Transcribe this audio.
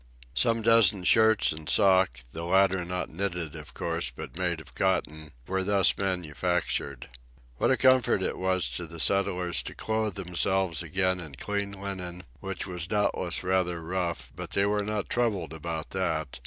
Some dozen shirts and sock the latter not knitted, of course, but made of cotton were thus manufactured. What a comfort it was to the settlers to clothe themselves again in clean linen, which was doubtless rather rough, but they were not troubled about that!